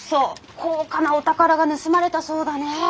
高価なお宝が盗まれたそうだね。